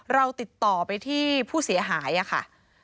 เราติดต่อไปที่ผู้เสียหายค่ะ